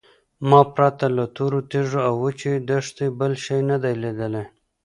ما پرته له تورو تیږو او وچې دښتې بل شی نه دی لیدلی.